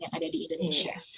yang ada di indonesia